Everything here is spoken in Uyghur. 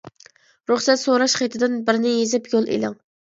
رۇخسەت سوراش خېتىدىن، بىرنى يېزىپ يول ئېلىڭ.